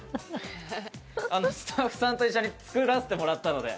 スタッフさんと一緒に作らせてもらったので。